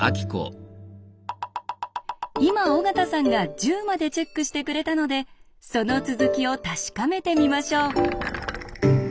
今尾形さんが１０までチェックしてくれたのでその続きを確かめてみましょう。